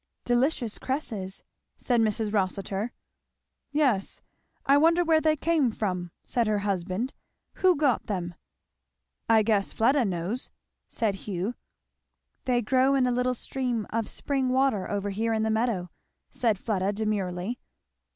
"Delicious cresses!" said Mrs. Rossitur. "Yes, I wonder where they came from," said her husband. "Who got them?" "I guess Fleda knows," said Hugh. "They grow in a little stream of spring water over here in the meadow," said Fleda demurely.